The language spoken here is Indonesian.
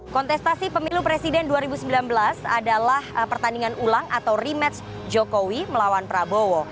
kontestasi pemilu presiden dua ribu sembilan belas adalah pertandingan ulang atau rematch jokowi melawan prabowo